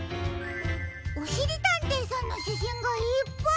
おしりたんていさんのしゃしんがいっぱい！